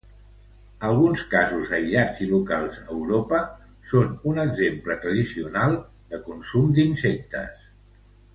Alguns casos aïllats i locals a Europa són un exemple tradicional de consum d'insectes.